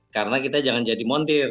karena kita jangan jadi montir